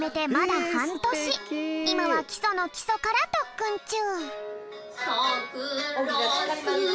いまはきそのきそからとっくんちゅう。